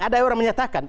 ada orang menyatakan